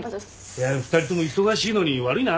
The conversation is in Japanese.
２人とも忙しいのに悪いな。